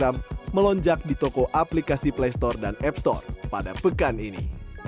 melonjak di toko aplikasi play store dan app store pada pekan ini